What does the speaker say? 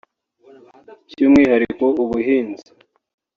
By’umwihariko ubuhinzi